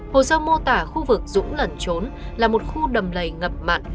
hồ sơ mô tả khu vực dũng lẩn trốn là một khu đầm lầy ngập mặn